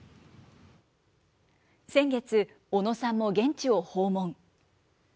先月、小野さんも現地を訪問。